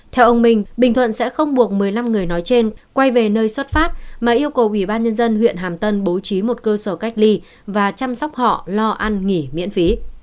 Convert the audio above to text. theo ông minh bình thuận sẽ không buộc một mươi năm người nói trên quay về nơi xuất phát mà yêu cầu ủy ban nhân dân huyện hàm tân bố trí một cơ sở cách ly và chăm sóc họ lo ăn nghỉ miễn phí